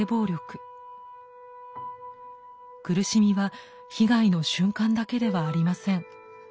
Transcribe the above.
苦しみは被害の瞬間だけではありません。